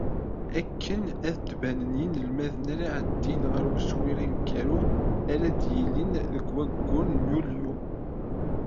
Akken ad d-banen yinelmaden ara iɛeddin ɣer uswir aneggaru ara d-yilin deg wayyur n yulyu.